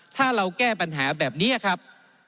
ถ้าเราแก้ปัญหาแบบนี้ครับ